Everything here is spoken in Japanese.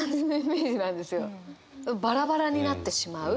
バラバラになってしまう。